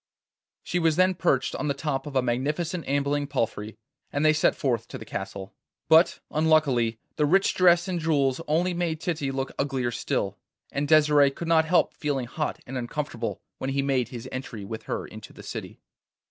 She was then perched on the top of a magnificent ambling palfrey, and they set forth to the castle. But unluckily the rich dress and jewels only made Titty look uglier still, and Desire could not help feeling hot and uncomfortable when he made his entry with her into the city.